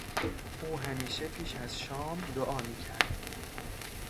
او همیشه پیش از شام دعا میکرد.